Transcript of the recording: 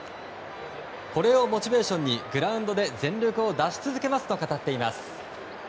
これをモチベーションにグラウンドで全力を出し続けますと語っています。